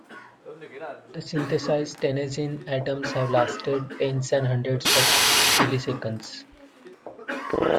The synthesized tennessine atoms have lasted tens and hundreds of milliseconds.